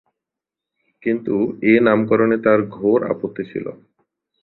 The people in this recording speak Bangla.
কিন্তু এ নামকরণে তার ঘোর আপত্তি ছিল।